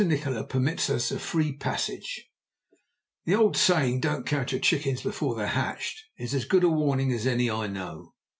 NIKOLA PERMITS US A FREE PASSAGE The old saying, "Don't count your chickens before they're hatched," is as good a warning as any I know.